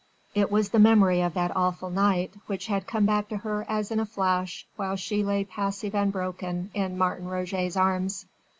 It was the memory of that awful night which had come back to her as in a flash while she lay passive and broken in Martin Roget's arms.